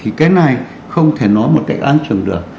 thì cái này không thể nói một cái an trường được